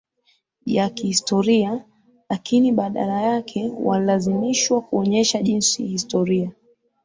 ya kihistoria lakini badala yake walilazimishwa kuonyesha jinsi historia